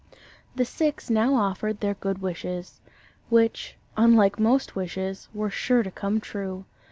The six now offered their good wishes which, unlike most wishes, were sure to come true.